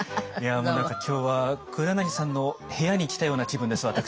もう何か今日は黒柳さんの部屋に来たような気分です私。